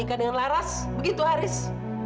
menikah dengan laras begitu aris